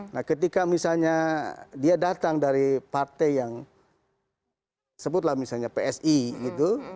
nah ketika misalnya dia datang dari partai yang sebutlah misalnya psi gitu